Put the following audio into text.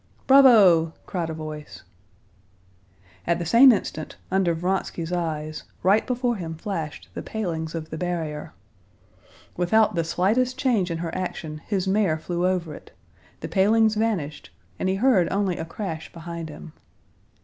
"Bravo!" cried a voice. At the same instant, under Vronsky's eyes, right before him flashed the palings of the barrier. Without the slightest change in her action his mare flew over it; the palings vanished, and he heard only a crash behind him.